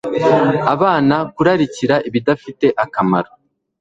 abana kurarikira ibidafite akamaro